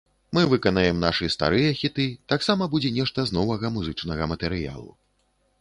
Мы выканаем нашы старыя хіты, таксама будзе нешта з новага музычнага матэрыялу.